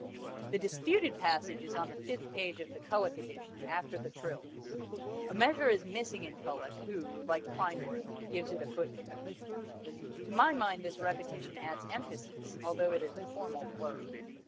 The disputed passage is on the fifth page of the Kullak edition, after the trills. A measure is missing in Kullak, who, like Klindworth, gives it in a footnote. To my mind this repetition adds emphasis, although it is a formal blur.